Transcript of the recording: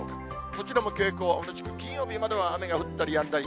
こちらも傾向は同じく、金曜日までは雨が降ったりやんだり。